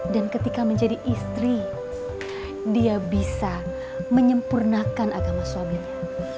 dan ketika menjadi istri dia bisa menyempurnakan agama suaminya